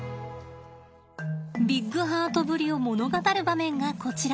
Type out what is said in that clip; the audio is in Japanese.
ビッグハートぶりを物語る場面がこちら。